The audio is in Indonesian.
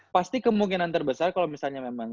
pasti kemungkinan terbesar kalau misalnya memang